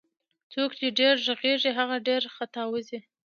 څوک چي ډير ږغږي هغه ډير خطاوزي